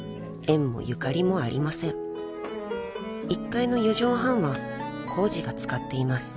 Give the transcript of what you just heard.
［１階の４畳半はコウジが使っています］